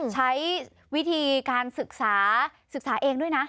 ใช้วิธีการศึกษาศึกษาเองด้วยนะ